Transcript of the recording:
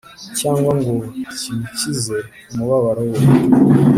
cyangwa ngo kimukize umubabaro we.